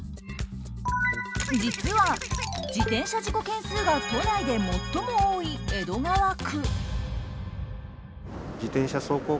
実は自転車事故件数が都内で最も多い江戸川区。